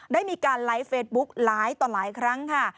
ได้มีการไลฟ์เฟซบุ๊คหลายต่อหลายครั้งค่ะ